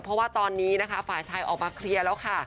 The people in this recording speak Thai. เพราะว่าตอนนี้นะคะฝ่ายชายออกมาเคลียร์แล้วค่ะ